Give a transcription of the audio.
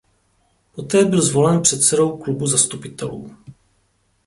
Poté byl zvolen předsedou klubu zastupitelů.